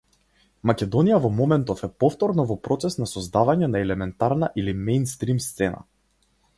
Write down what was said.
Македонија во моментов е повторно во процес на создавање на елементарна или меинстрим сцена.